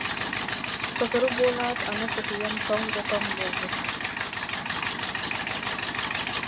Сотору буолаат, аны сытыйан тоҥ да тоҥ буолбут